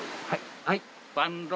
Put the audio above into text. はい？